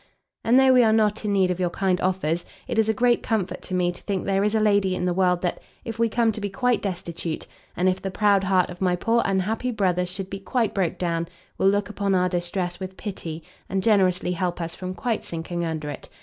And though we are not in need of your kind offers, it is a great comfort to me to think there is a lady in the world that, if we come to be quite destitute, and if the proud heart of my poor unhappy brother should be quite broke down, will look upon our distress with pity, and generously help us from quite sinking under it.